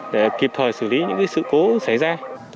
để kịp thời xử lý những sự cố xảy ra